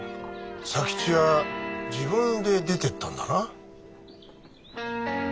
佐吉は自分で出てったんだな。